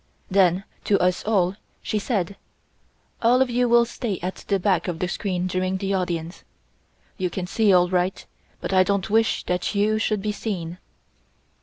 Then to us all she said: "All of you will stay at the back of the screen during the audience. You can see all right, but I don't wish that you should be seen."